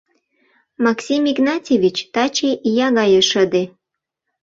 Максим Игнатьевич таче ия гае шыде.